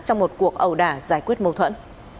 trong một cuộc ẩu đả giải quyết mâu thuẫn